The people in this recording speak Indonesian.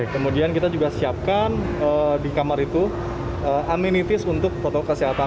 kemudian kita juga siapkan di kamar itu aminitis untuk protokol kesehatan